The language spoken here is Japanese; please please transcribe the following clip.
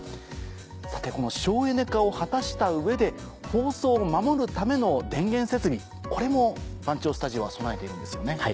さてこの省エネ化を果たした上で放送を守るための電源設備これも番町スタジオは備えているんですよね？